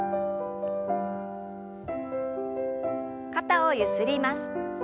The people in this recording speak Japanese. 肩をゆすります。